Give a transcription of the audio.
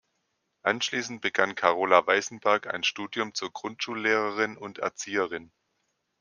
Anschließend begann Carola Weißenberg ein Studium zur Grundschullehrerin und Erzieherin.